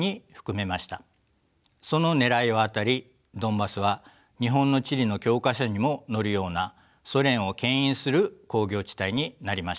そのねらいは当たりドンバスは日本の地理の教科書にも載るようなソ連をけん引する工業地帯になりました。